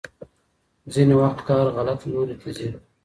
ځينې وخت قهر غلط لوري ته ځي.